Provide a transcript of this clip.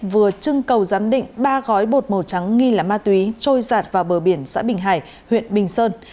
vừa trưng cầu giám định ba gói bột màu trắng nghi là ma túy trôi giạt vào bờ biển xã bình hải huyện bình sơn